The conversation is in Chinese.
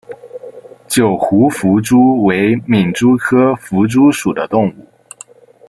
九湖弗蛛为皿蛛科弗蛛属的动物。